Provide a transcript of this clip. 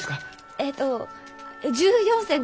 えっと１４銭５厘です。